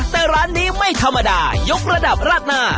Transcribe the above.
แต่ร้านนี้ไม่ธรรมดายกระดับราดหน้า